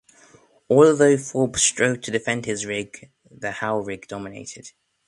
Although Forbes strove to defend his rig, the Howe rig dominated.